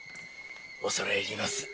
恐れ入ります。